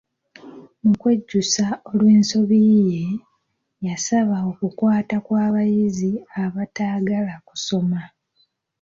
Mu kwejjusa olw'ensobi ye, yasaba okukwata kw'abayizi abataagala kusoma.